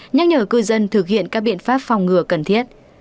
nhắc nhở cư dân thực hiện các biện pháp phòng ngừa cần thiết